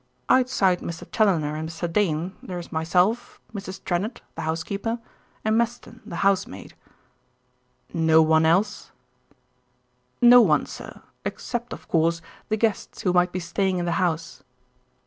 "Outside Mr. Challoner and Mr. Dane, there is myself, Mrs. Trennett, the housekeeper, and Meston, the housemaid." "No one else?" "No one, sir, except, of course, the guests who might be staying in the house."